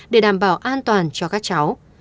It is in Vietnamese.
để đảm bảo an toàn cho các cháu